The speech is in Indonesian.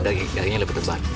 dagingnya lebih tebal